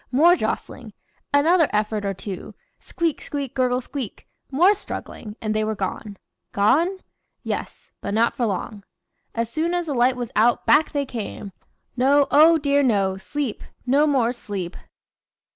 more jostling, another effort or two squeak squeak gurgle squeak more struggling and they were gone. Gone? Yes! but not for long. As soon as the light was out back they came. No! oh, dear no! sleep! no more sleep.